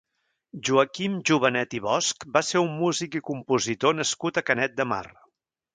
Joaquim Jovenet i Bosch va ser un músic i compositor nascut a Canet de Mar.